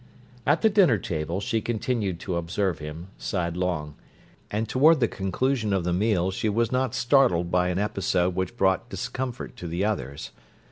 At the dinner table she continued to observe him, sidelong; and toward the conclusion of the meal she was not startled by an episode which brought discomfort to the others.